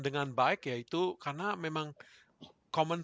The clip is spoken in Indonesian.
bapak ulai tys integritasnya injust loved